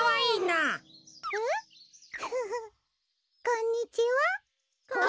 こんにちは！